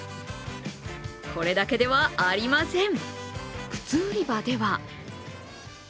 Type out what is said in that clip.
これだけではありません。